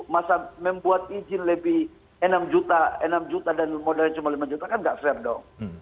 masa membuat izin lebih rp enam juta rp enam juta dan modalnya cuma rp lima juta kan tidak fair dong